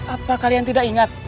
apa kalian tidak ingat